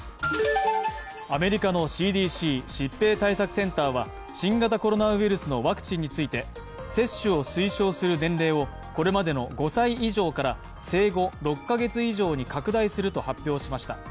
アメリカのＣＤＣ＝疾病対策センターは、新型コロナウイルスのワクチンについて接種を推奨する年齢を、これまでの５歳以上から生後６カ月以上に拡大すると発表しました。